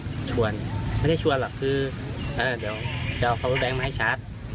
ไม่ได้ชวนไม่ได้ชวนหรอกคือเออเดี๋ยวจะเอามาให้ชาร์จ